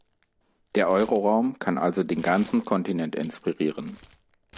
Der Euroraum kann also den ganzen Kontinent inspirieren.